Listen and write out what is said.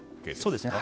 そうですね。